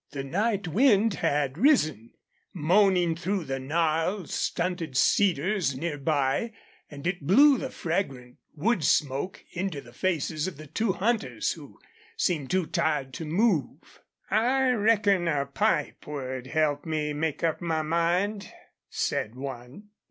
The night wind had risen, moaning through the gnarled, stunted cedars near by, and it blew the fragrant wood smoke into the faces of the two hunters, who seemed too tired to move. "I reckon a pipe would help me make up my mind," said one.